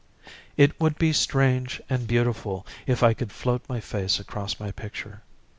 It would be strange and beautiful if I could float my face across my picture.